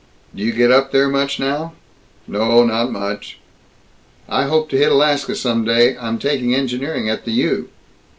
"Do you get up there much now?" "No, not much." "I hope to hit Alaska some day I'm taking engineering at the U."